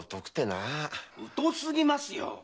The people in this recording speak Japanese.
疎すぎますよ！